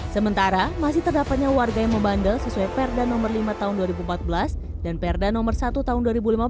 sementara masih terdapatnya warga yang membandel sesuai perda nomor lima tahun dua ribu empat belas dan perda nomor satu tahun dua ribu lima belas